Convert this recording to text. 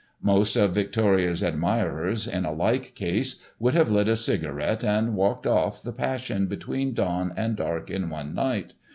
Most of Victoria's admirers in a like case, would have lit a cigarette and walked off the passion between dawn and dark in one night.